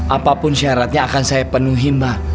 apapun syaratnya akan saya penuhi mbak